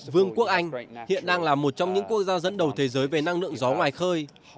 vương quốc anh hiện đang là một trong những quốc gia dẫn đầu thế giới về năng lượng gió ngoài khơi